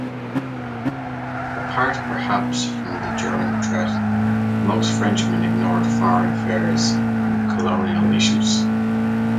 Apart perhaps from the German threat, most Frenchmen ignored foreign affairs and colonial issues.